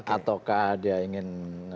ataukah dia ingin